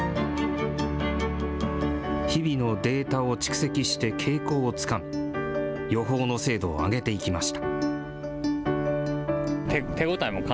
日々のデータを蓄積して傾向をつかみ、予報の精度を上げていきました。